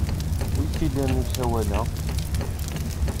Wi t-ilan usawal-a?